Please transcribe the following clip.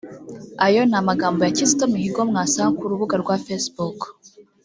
Ayo ni amagambo ya Kizito Mihigo mwasanga ku rubuga rwa Facebook